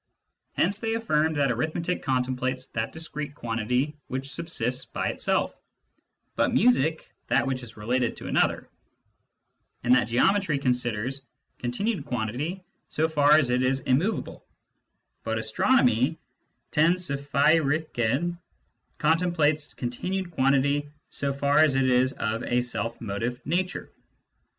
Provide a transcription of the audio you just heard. Hence they affirmed that arithmetic contemplates that discrete quantity which subsists by itself, but music that which is related to another; and that geometry considers continued quantity so far as it is immovable ; but astronomy (tV o ^aipiic^) contemplates continued quantity so far as it is of a self motive nature.